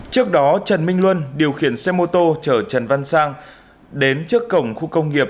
trước đó trần minh luân điều khiển xe mô tô chở trần văn sang đến trước cổng khu công nghiệp